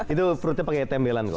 itu perutnya pakai tembelan kok